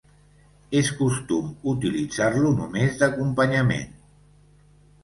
És costum utilitzar-lo només d'acompanyament.